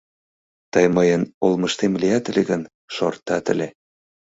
Тый мыйын олмыштем лият ыле гын, шортат ыле.